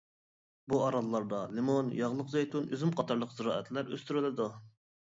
بۇ ئاراللاردا لىمون، ياغلىق زەيتۇن، ئۈزۈم قاتارلىق زىرائەتلەر ئۆستۈرۈلىدۇ.